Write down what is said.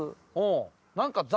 何か。